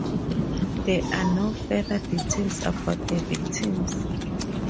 There are no further details about the victims.